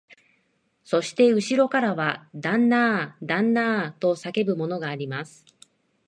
そしてうしろからは、旦那あ、旦那あ、と叫ぶものがあります